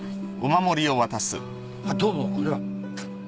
あっどうもこれは。